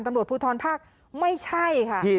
ตำรวจภูทรภาคไม่ใช่ค่ะ